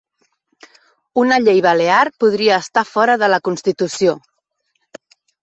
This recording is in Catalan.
Una llei balear podria estar fora de la constitució